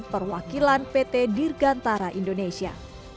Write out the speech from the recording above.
perwakilan pt dirgantara indonesia